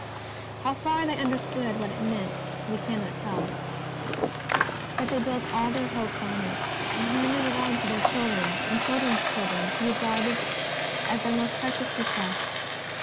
How far they understood what it meant, we cannot tell. P>ut they built all their hopes on it, and handed it on to their children and children's children to be guarded as their most precious bequest.